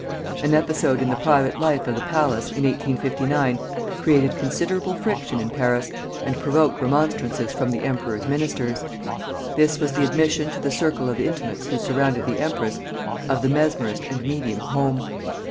An episode in the private life of the palace, in 1859, created considerable friction in Paris, and provoked remonstrances from the emperor's ministers. This was the admission to the circle of intimates who surrounded the empress of the mesmerist and medium Home.